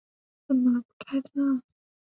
怎么不开灯啊